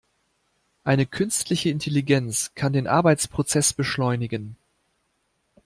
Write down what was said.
Eine künstliche Intelligenz kann den Arbeitsprozess beschleunigen.